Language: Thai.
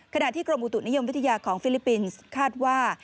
ขณะที่กรมอุตุนิยมวิทยาของฟิลิปปินส์คาดว่า